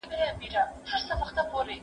زه اجازه لرم چي پاکوالي وساتم،